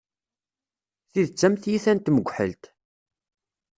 Tidet am tyita n tmekḥelt.